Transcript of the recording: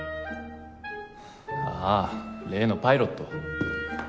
ああ例のパイロット。